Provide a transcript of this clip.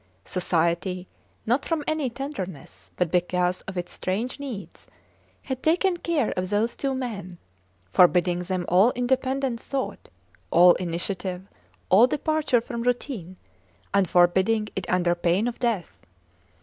Society, not from any tenderness, but because of its strange needs, had taken care of those two men, forbidding them all independent thought, all initiative, all departure from routine; and forbidding it under pain of death.